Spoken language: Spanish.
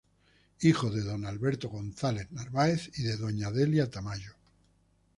Hijo de Don Alberto González Narváez y de Doña Delia Tamayo.